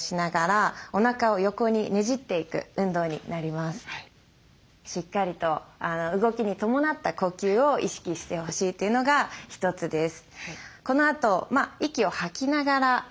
まず１つ目はしっかりと動きに伴った呼吸を意識してほしいというのが一つです。